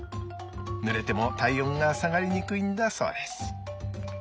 ぬれても体温が下がりにくいんだそうです。